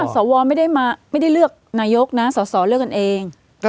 สวไม่ได้เลือกนายกนะสสเลือกกันเอง